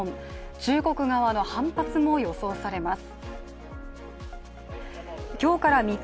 中国側の反発も予想されます。